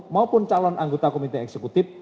maupun calon anggota komite eksekutif